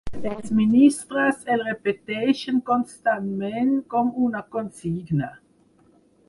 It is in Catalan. Els ministres el repeteixen constantment com una consigna.